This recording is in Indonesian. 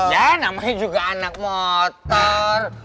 ya namanya juga anak motor